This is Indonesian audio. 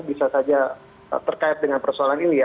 bisa saja terkait dengan persoalan ini ya